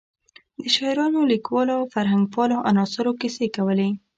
د شاعرانو، لیکوالو او فرهنګپالو عناصرو کیسې کولې.